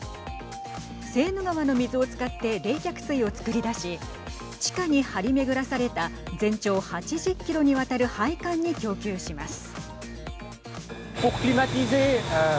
セーヌ川の水を使って冷却水をつくり出し地下に張り巡らされた全長８０キロにわたる配管に供給します。